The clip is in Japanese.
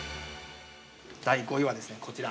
◆第５位はですね、こちら。